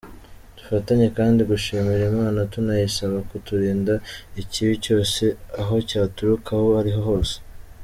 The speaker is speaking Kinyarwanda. Dufatanye kandi gushimira Imana, tunayisaba kuturinda ikibi cyose aho cyaturuka aho ari ho hose.